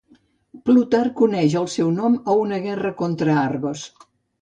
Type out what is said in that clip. Plutarc uneix el seu nom a una guerra contra Argos.